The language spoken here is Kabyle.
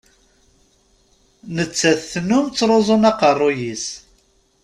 Nettat tennum ttruzum aqerruy-is.